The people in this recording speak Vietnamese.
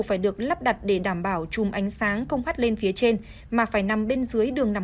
phải được lắp đặt để đảm bảo chùm ánh sáng không hắt lên phía trên mà phải nằm bên dưới đường nằm